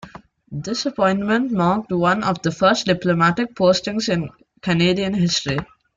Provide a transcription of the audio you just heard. This appointment marked one of the first diplomatic postings in Canadian history.